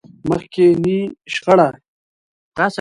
مخکينۍ شخړه.